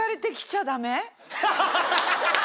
ハハハハ！